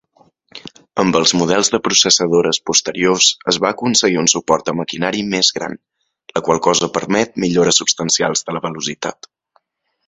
Amb els models de processadores posteriors es va aconseguir un suport de maquinari més gran, la qual cosa permet millores substancials de la velocitat.